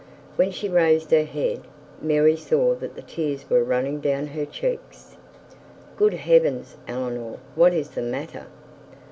When she raised her head, Mary saw that the tears were running down her cheeks. 'Good heavens, Eleanor, what is the matter?